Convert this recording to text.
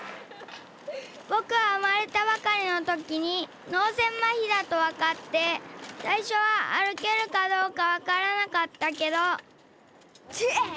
ぼくはうまれたばかりのときにのうせいまひだとわかってさいしょはあるけるかどうかわからなかったけどてい！